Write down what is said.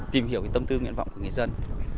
tìm hiểu tâm tư nguyện vọng của người dân